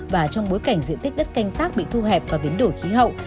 và trong bối cảnh diện tích đất canh tác bị thu hẹp và biến đổi khí hậu